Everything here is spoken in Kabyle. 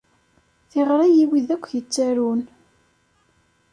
Tiɣri i wid akk yettarun.